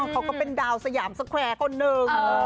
เขาก็เป็นดาวสยามสแควร์คนหนึ่ง